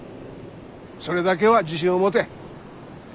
それだけは自信を持て。